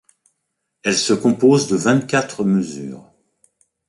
Elle se compose de vingt-quatre mesures.